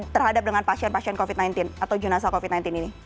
terhadap dengan pasien pasien covid sembilan belas atau jenazah covid sembilan belas ini